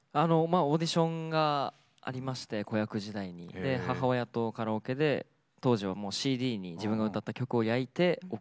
オーディションがありまして子役時代に。で母親とカラオケで当時はＣＤに自分が歌った曲を焼いて送るっていうのを。